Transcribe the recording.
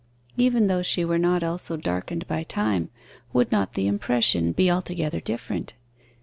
Even though she were not also darkened by time, would not the impression be altogether different?